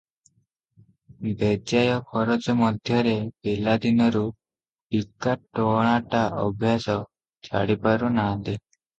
ବେଜାୟ ଖରଚ ମଧ୍ୟରେ ପିଲାଦିନରୁ ପିକା ଟଣାଟା ଅଭ୍ୟାସ, ଛାଡ଼ିପାରୁ ନାହାନ୍ତି ।